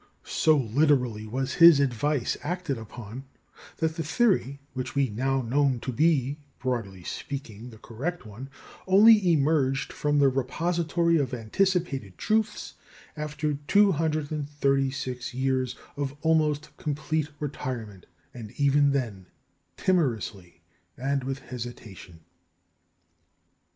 " So literally was his advice acted upon, that the theory, which we now know to be (broadly speaking) the correct one, only emerged from the repository of anticipated truths after 236 years of almost complete retirement, and even then timorously and with hesitation.